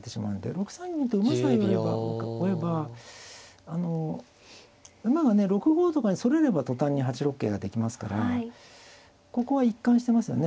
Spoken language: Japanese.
６三銀と馬さえ追えば馬がね６五とかにそれれば途端に８六桂ができますからここは一貫してますよね